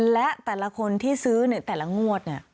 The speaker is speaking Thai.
และแต่ละคนที่ซื้อในแต่ละงวดเนี่ย